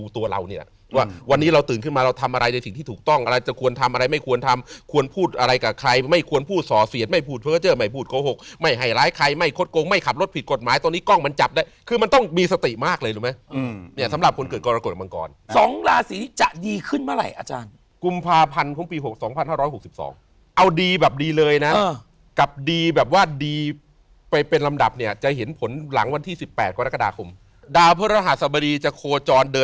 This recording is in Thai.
ตัวเรานี่ล่ะว่าวันนี้เราตื่นขึ้นมาเราทำอะไรในสิ่งที่ถูกต้องอะไรจะควรทำอะไรไม่ควรทำควรพูดอะไรกับใครไม่ควรพูดสอเสียนไม่พูดเผื่อเจ้อไม่พูดโกหกไม่ให้ร้ายใครไม่คดโกงไม่ขับรถผิดกฎหมายตอนนี้กล้องมันจับได้คือมันต้องมีสติมากเลยรู้ไหมอืมเนี้ยสำหรับคนเกิดกรกฎกรรมังกรสองราศีจะด